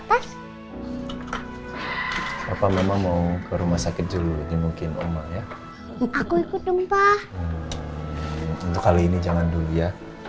tas apa memang mau ke rumah sakit dulu mungkin om ya aku ikut dompa kali ini jangan dulu ya